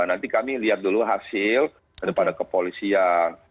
nanti kami lihat dulu hasil daripada kepolisian